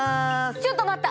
ちょっと待った！